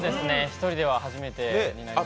１人では初めてになります。